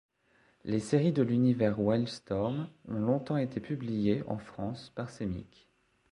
Les séries de l'univers Wildstorm ont longtemps été publiées en France par Semic.